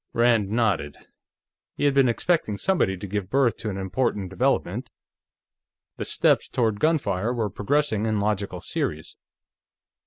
Rand nodded. He had been expecting somebody to give birth to an important development; the steps toward gunfire were progressing in logical series.